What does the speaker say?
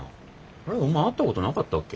あれお前会ったことなかったっけ？